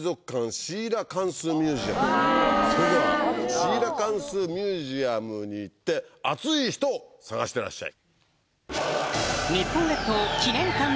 それではシーラカンス・ミュージアムに行って熱い人を探してらっしゃい。